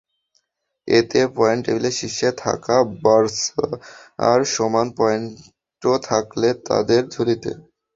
এতে পয়েন্ট টেবিলের শীর্ষে থাকা বার্সার সমান পয়েন্টও থাকল তাদের ঝুলিতে।